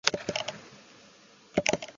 寝袋はすっかり冷たくなっていた